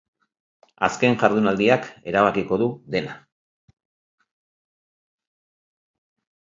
Azken jardunaldiak erabakiko du dena.